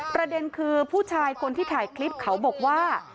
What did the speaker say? ประเด็นคือผู้ชายคนที่ถ่ายคลิปเขาบอกว่า